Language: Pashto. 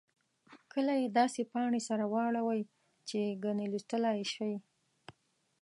کله یې داسې پاڼې سره واړوئ چې ګنې لوستلای یې شئ.